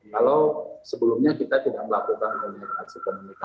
kalau sebelumnya kita tidak melakukan komunikasi komunikasi secara intens